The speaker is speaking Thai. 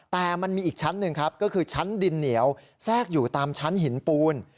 แต่มันมีอีกชั้นหนึ่งครับก็คือชั้นดินเหนียวแทรกอยู่ตามชั้นหินปูน